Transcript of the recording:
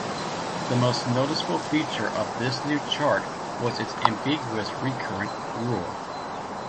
The most noticeable feature of this new chart was its ambiguous recurrent rule.